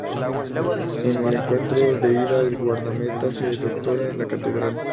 En el encuentro de ida, el guardameta se doctora en La Catedral.